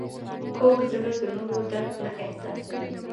کوږ زړه د نورو درد نه احساسوي